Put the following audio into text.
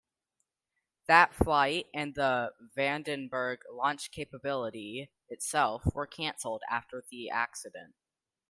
That flight and the Vandenberg launch capability itself were canceled after the accident.